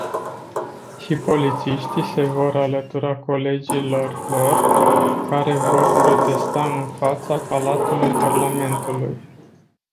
Și polițiștii se vor alătura colegilor lor, care vor protesta în fața Palatului Parlamentului.